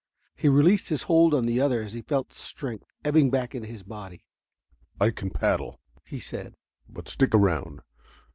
He released his hold on the other as he felt strength ebbing back into his body. "I can paddle," he said: "but stick around.